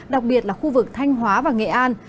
đặc biệt là khu vực thanh hóa và nghệ an